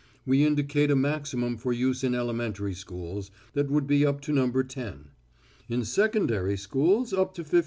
We indicate a maximum for use in elementary schools, that would be up to No. 10; in secondary schools up to 15.